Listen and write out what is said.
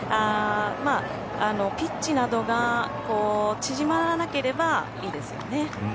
ピッチなどが縮まらなければいいですよね。